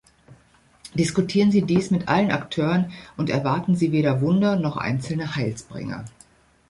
Diskutieren Sie dies mit allen Akteuren und erwarten Sie weder Wunder noch einzelne Heilsbringer.